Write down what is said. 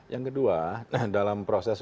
yang kedua dalam proses